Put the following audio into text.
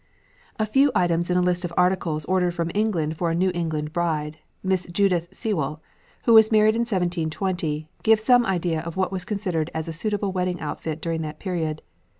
A few items in a list of articles ordered from England for a New England bride, Miss Judith Sewall, who was married in 1720, give some idea of what was considered as a suitable wedding outfit during that period.